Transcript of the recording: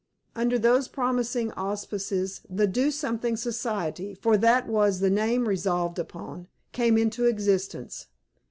Under these promising auspices the "Do Something Society," for that was the name resolved upon, came into existence.